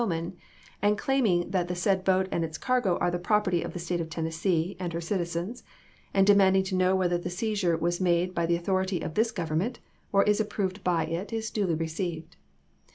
Hillman, and claiming that the said boat and its cargo are the property of the State of Tennessee and her citizens, and demanding to know whether the seizure was made by the authority of this Government or is approved by it, is duly received.